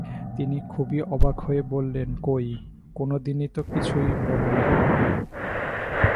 তিনি খুবই অবাক হয়ে বললেন, কই, কোনোদিন তো কিছু বল নাই!